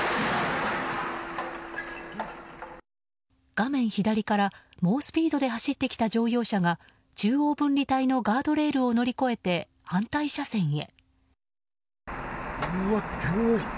画面左から猛スピードで走ってきた乗用車が中央分離帯のガードレールを乗り越えて、反対車線へ。